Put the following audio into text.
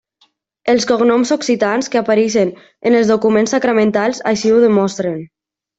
Els cognoms occitans que apareixen en els documents sacramentals així ho demostren.